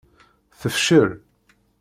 Tefcel.